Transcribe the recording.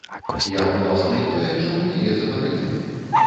Як, уласна, і тое, чаму яе забаранілі.